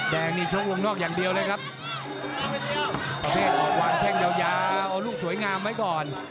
แดงนี่โชคลงนอกอย่างเดียวเลยครับเอาลูกสวยงามไว้ก่อน